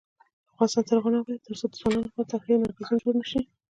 افغانستان تر هغو نه ابادیږي، ترڅو د ځوانانو لپاره تفریحي مرکزونه جوړ نشي.